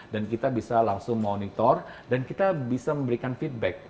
dan kita bisa langsung monitor dan kita bisa memberikan feedback